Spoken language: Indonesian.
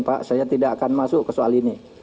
pak saya tidak akan masuk ke soal ini